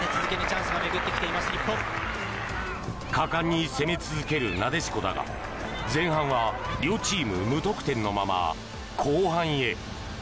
果敢に攻め続けるなでしこだが前半は両チーム無得点のまま後半へ。